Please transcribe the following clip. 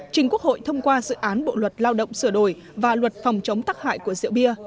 trình quốc hội thông qua dự án bộ luật lao động sửa đổi và luật phòng chống tắc hại của rượu bia